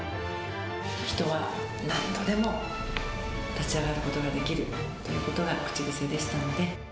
人は何度でも立ち上がることができるということが口癖でしたんで。